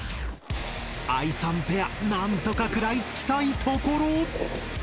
あいさんペアなんとか食らいつきたいところ！